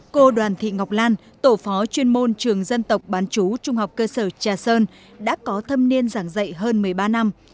cô đoàn thị ngọc lan tổ phó chuyên môn trường dân tộc bán chú trung học cơ sở trà sơn đã có thâm niên giảng dạy hơn một mươi ba năm